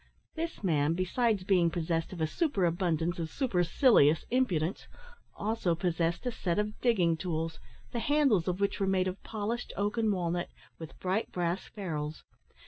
This man, besides being possessed of a superabundance of supercilious impudence, also possessed a set of digging tools, the handles of which were made of polished oak and walnut, with bright brass ferrules.